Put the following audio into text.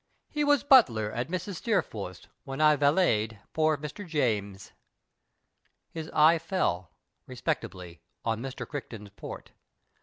He was butler at Mrs. Steerforth's when I valeted poor Mr. James." His eye fell, respectably, on Mr. Crichton's port.